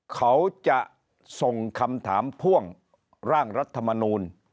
เขาจะส่งคำถามพ่วงร่างรัฐมนูล